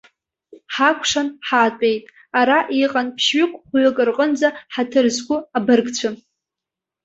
Ҳакәшан ҳаатәеит, ара иҟан ԥшьҩык-хәҩык рҟынӡа ҳаҭыр зқәу абыргцәа.